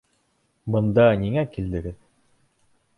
Бында ниңә килдегеҙ?